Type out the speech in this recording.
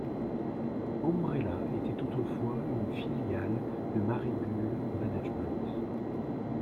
Ambrella était autrefois une filiale de Marigul Management.